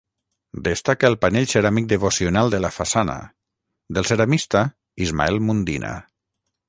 Destaca el panell ceràmic devocional de la façana, del ceramista Ismael Mundina.